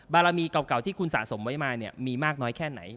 บารมีเก่าที่คุณสะสมไว้มาเนี่ยมีมากน้อยแค่ไหน